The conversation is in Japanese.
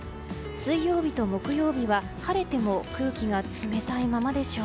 水曜日と木曜日は、晴れても空気が冷たいままでしょう。